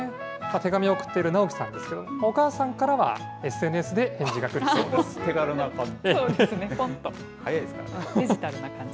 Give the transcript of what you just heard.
手紙を送っている直樹さんですけれども、お母さんからはＳＮＳで手軽な感じ。